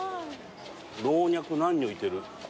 老若男女いてる。